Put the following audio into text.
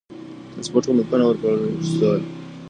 ترانسپورت خدمتونه ورکړل شول.